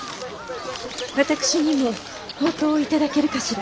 私にもほうとうを頂けるかしら。